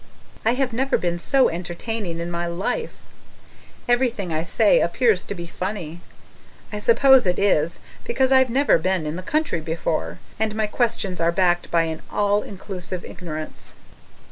I have never been so entertaining in my life; everything I say appears to be funny. I suppose it is, because I've never been in the country before, and my questions are backed by an all inclusive ignorance.